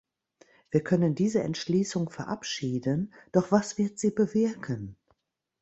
Wir können diese Entschließung verabschieden, doch was wird sie bewirken?